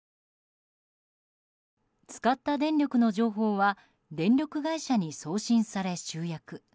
使った電力の情報は電力会社に送信され集約。